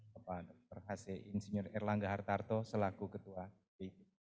bapak h c irlangga hartarto selaku ketua b